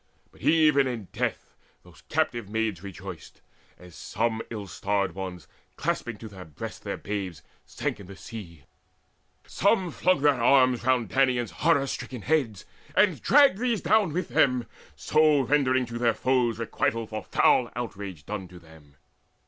But even in death those captive maids rejoiced, As some ill starred ones, clasping to their breasts Their babes, sank in the sea; some flung their arms Round Danaans' horror stricken heads, and dragged These down with them, so rendering to their foes Requital for foul outrage down to them.